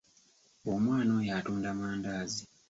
Omwana oyo atunda mandaazi.